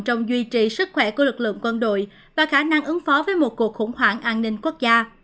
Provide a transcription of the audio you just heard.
trong duy trì sức khỏe của lực lượng quân đội và khả năng ứng phó với một cuộc khủng hoảng an ninh quốc gia